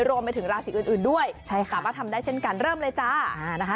รวมไปถึงราศีอื่นด้วยใช่ค่ะสามารถทำได้เช่นกันเริ่มเลยจ้านะคะ